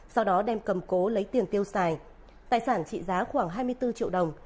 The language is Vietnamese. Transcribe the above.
sau đó đem cầm cố lấy tiền tiêu xài tài sản trị giá khoảng hai mươi bốn triệu đồng